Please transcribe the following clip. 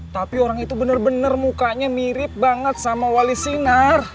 tapi orang itu benar benar mukanya mirip banget sama wali sinar